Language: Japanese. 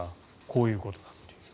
こういうことだという。